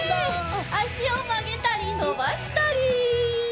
あしをまげたりのばしたり。